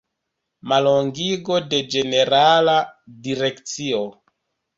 Mallongigo de Ĝenerala Direkcio.